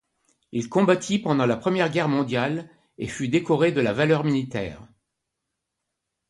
Il combattit pendant la Première Guerre mondiale et fut décoré de la Valeur militaire.